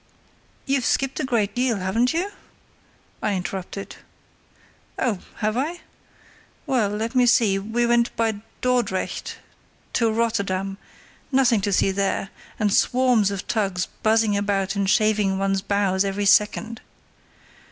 "You've skipped a good deal, haven't you?" I interrupted. "Oh! have I? Well, let me see, we went by Dordrecht to Rotterdam; nothing to see there, and swarms of tugs buzzing about and shaving one's bows every second.